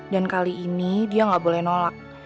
dan kali ini dia gak boleh nolak